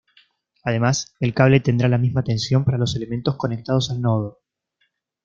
Además, el cable tendrá la misma tensión para los elementos conectados al nodo.